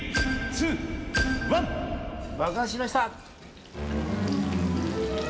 爆発しました！